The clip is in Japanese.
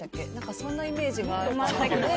そんなイメージがあります。